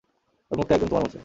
ওর মুখটা একদম তোমার মত।